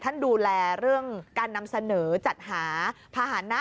ท่านดูแลเรื่องการนำเสนอจัดหาภาษณะ